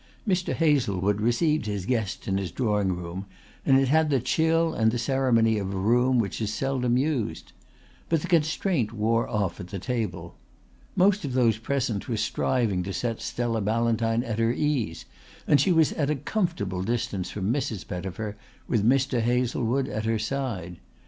Mr. Hazlewood received his guests in his drawing room and it had the chill and the ceremony of a room which is seldom used. But the constraint wore off at the table. Most of those present were striving to set Stella Ballantyne at her ease, and she was at a comfortable distance from Mrs. Pettifer, with Mr. Hazlewood at her side.